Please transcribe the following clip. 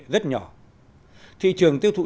rất nhỏ thị trường tiêu thụ